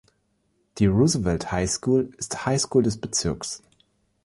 Die Roosevelt High School ist Highschool des Bezirks.